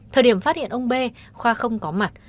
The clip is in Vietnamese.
thời điểm phát hiện ông b khoa không có mặt